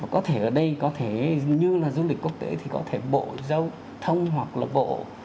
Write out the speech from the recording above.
có thể ở đây có thể như là du lịch quốc tế thì có thể bộ giao thông hoặc là bộ